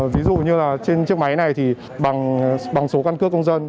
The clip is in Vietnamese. ví dụ như là trên chiếc máy này thì bằng số căn cước công dân